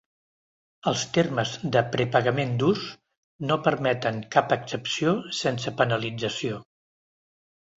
Els termes de prepagament "durs" no permeten cap excepció sense penalització.